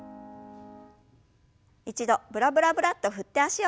一度ブラブラブラッと振って脚をほぐしましょう。